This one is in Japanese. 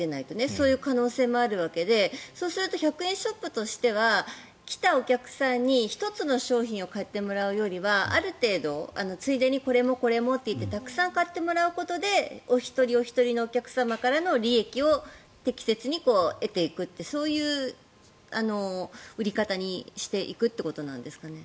そういう可能性もあるわけでそうすると１００円ショップとしては来たお客さんに１つの商品を買ってもらうよりはある程度ついでにこれもこれもといってたくさん買ってもらうことでお一人お一人のお客様からの利益を適切に得ていくというそういう売り方にしていくことなんですかね。